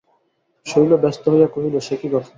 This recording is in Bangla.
শৈল ব্যস্ত হইয়া কহিল, সে কী কথা!